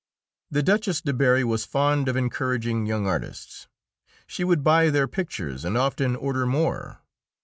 The Duchess de Berri was fond of encouraging young artists; she would buy their pictures and often order more.